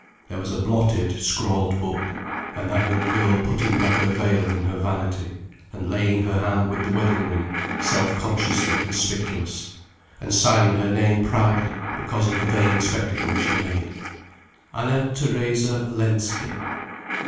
There was a blotted, scrawled book—and that young girl putting back her veil in her vanity, and laying her hand with the wedding ring self consciously conspicuous, and signing her name proudly because of the vain spectacle she made: "Anna Theresa Lensky."